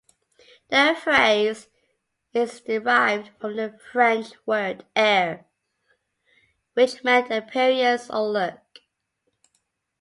The phrase is derived from the French word "air" which meant appearance or look.